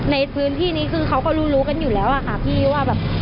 ในพื้นที่นี้คือเขาก็รู้รู้กันอยู่แล้วอะค่ะพี่ว่าแบบ